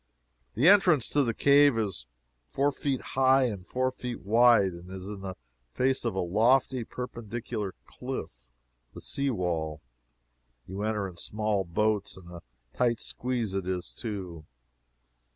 The entrance to the cave is four feet high and four feet wide, and is in the face of a lofty perpendicular cliff the sea wall. You enter in small boats and a tight squeeze it is, too.